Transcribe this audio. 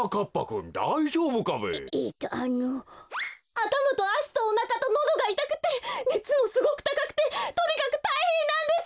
あたまとあしとおなかとのどがいたくてねつもすごくたかくてとにかくたいへんなんです！